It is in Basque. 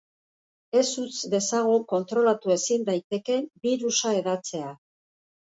Ez utz dezagun kontrolatu ezin daitekeen birusa hedatzea.